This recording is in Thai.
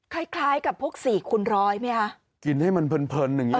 คล้ายคล้ายกับพวกสี่คูณร้อยไหมคะกินให้มันเพลินเพลินอย่างงี